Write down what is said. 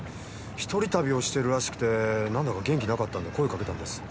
一人旅をしてるらしくてなんだか元気なかったんで声かけたんです。